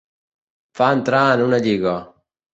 Fa entrar en una lliga.